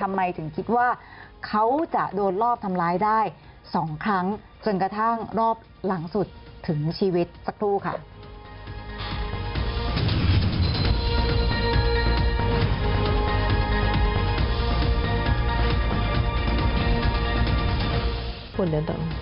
ทำไมถึงคิดว่าเขาจะโดนรอบทำร้ายได้๒ครั้งจนกระทั่งรอบหลังสุดถึงชีวิตสักครู่ค่ะ